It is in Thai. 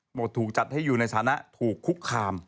ถูกจัดให้อยู่ในฐานะถูกคุกคาม